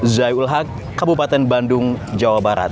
zai ul haq kabupaten bandung jawa barat